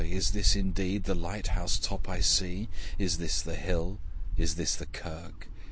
is this indeed The light house top I see? Is this the hill? is this the kirk?